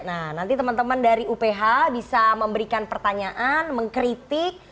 nah nanti teman teman dari uph bisa memberikan pertanyaan mengkritik